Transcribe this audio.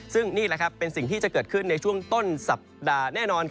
ซึ่งนี่แหละครับเป็นสิ่งที่จะเกิดขึ้นในช่วงต้นสัปดาห์แน่นอน